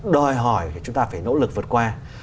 đòi hỏi chúng ta phải nỗ lực vượt qua